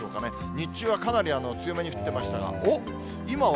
日中はかなり強めに降ってましたが、おっ、今は。